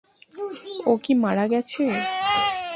ও কি মারা গেছে?